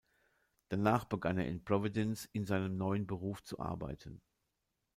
Danach begann er in Providence in seinem neuen Beruf zu arbeiten.